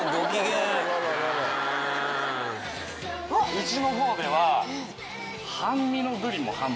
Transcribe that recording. うちのほうでは。